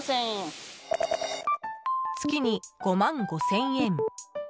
月に５万５０００円。